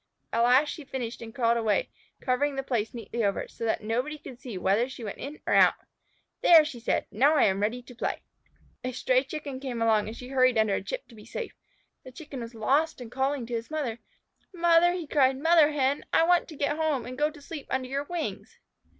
At last she finished and crawled away, covering the place neatly over, so that nobody could see where she went in or out. "There!" she said. "Now I am ready to play." A stray Chicken came along and she hurried under a chip to be safe. The Chicken was lost and calling to his mother. "Mother!" he cried. "Mother Hen, I want to get home and go to sleep under your wings."